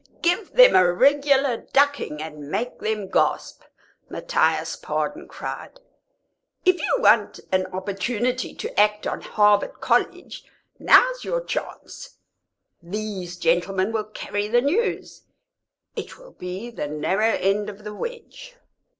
"Give them a regular ducking and make them gasp," Matthias Pardon cried. "If you want an opportunity to act on Harvard College, now's your chance. These gentlemen will carry the news; it will be the narrow end of the wedge."